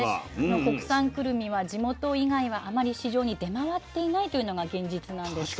国産くるみは地元以外はあまり市場に出回っていないというのが現実なんです。